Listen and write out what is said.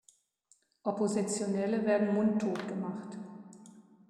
Oppositionelle werden mundtot gemacht.